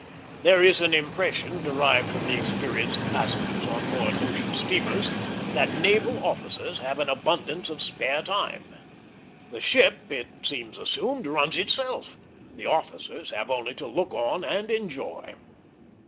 There is an impression, derived from the experience of passengers on board ocean steamers, that naval officers have an abundance of spare time. The ship, it seems assumed, runs itself; the officers have only to look on and enjoy.